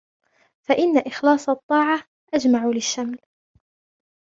فَإِنَّ إخْلَاصَ الطَّاعَةِ أَجْمَعُ لِلشَّمْلِ